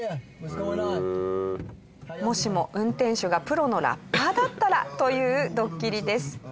もしも運転手がプロのラッパーだったらというドッキリです。